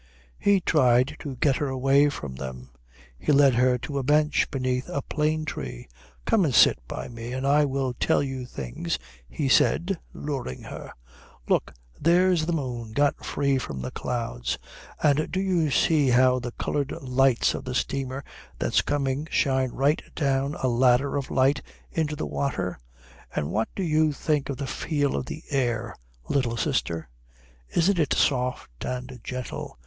He tried to get her away from them. He led her to a bench beneath a plane tree. "Come and sit by me and I will tell you things," he said, luring her. "Look, there's the moon got free from the clouds and do you see how the coloured lights of the steamer that's coming shine right down a ladder of light into the water? And what do you think of the feel of the air, little sister? Isn't it soft and gentle?